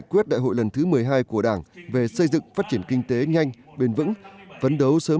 quyết đại hội lần thứ một mươi hai của đảng về xây dựng phát triển kinh tế nhanh bền vững phấn đấu sớm